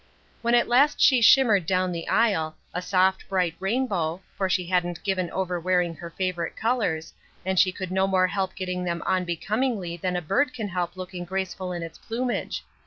When at last she shimmered down the aisle, a soft, bright rainbow, for she hadn't given over wearing her favorite colors, and she could no more help getting them on becomingly than a bird can help looking graceful in its plumage.